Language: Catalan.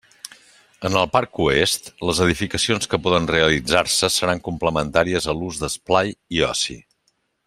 En el parc oest, les edificacions que poden realitzar-se seran complementàries a l'ús d'esplai i oci.